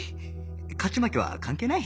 勝ち負けは関係ない